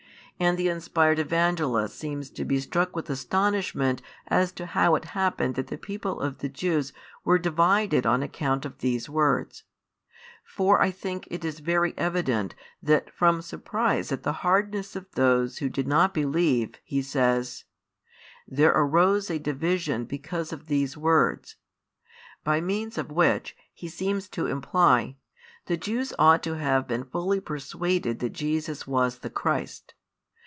And the inspired Evangelist seems to be struck with astonishment as to how it happened that the people of the Jews were divided on account of these words. For I think it is very evident that from surprise at the hardness of those who did not believe he says: There arose a division because of these words; by means of which, he seems to imply, the Jews ought to have been fully persuaded that Jesus was the Christ.